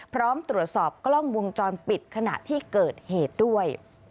พร้อมตรวจสอบกล้องวงจรปิดขณะที่เกิดเหตุด้วย